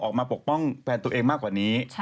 ปกป้องแฟนตัวเองมากกว่านี้